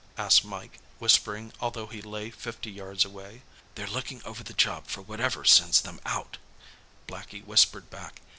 asked Mike, whispering although he lay fifty yards away. "They're lookin' over the job for whatever sends them out," Blackie whispered back.